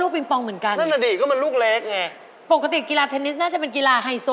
ลูกเทนนิสถูกสุดเลย